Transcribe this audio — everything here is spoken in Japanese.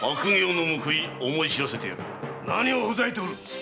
何をほざいておる！